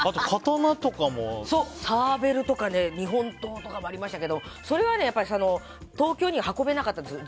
サーベルとか日本刀とかもありましたけどそれは東京には運べなかったんです。